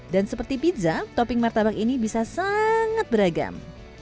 dan seperti pizza topping martabak ini bisa sangat beragam